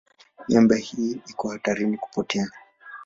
Miamba hii iko hatarini kupotea.